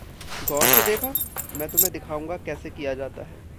ग़ौर से देखा। मैं तुम्हें दिखाऊँगा कैसे किया जाता है।